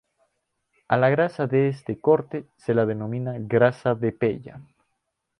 A la grasa de este corte se la denomina grasa de pella.